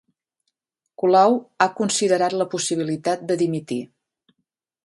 Colau ha considerat la possibilitat de dimitir